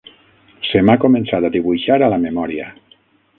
Se m'ha començat a dibuixar a la memòria